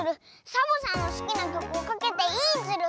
サボさんのすきなきょくをかけていいズル！